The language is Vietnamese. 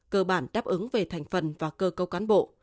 cơ bản đáp ứng về thành phần và cơ cấu cán bộ